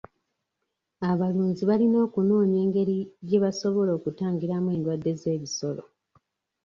Abalunzi balina okunoonya engeri gye basobola okutangiramu endwadde z'ebisolo.